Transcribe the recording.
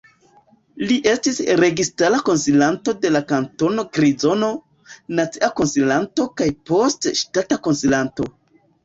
Li estis registara konsilanto de la Kantono Grizono, nacia konsilanto kaj poste ŝtata konsilanto.